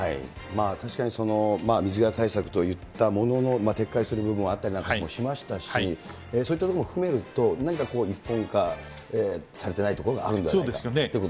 確かに、水際対策といったものの、撤回する部分もあったりなんかもしましたし、そういったところも含めると、何か一本化されてないところがあるんではないかということですね。